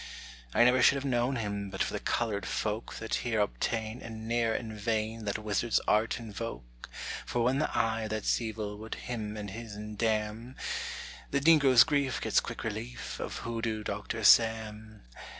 _ I never should have known him But for the colored folk That here obtain And ne'er in vain That wizard's art invoke; For when the Eye that's Evil Would him and his'n damn, The negro's grief gets quick relief Of Hoodoo Doctor Sam.